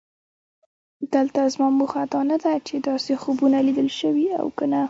دلته زما موخه دا نه ده چې داسې خوبونه لیدل شوي او که نه.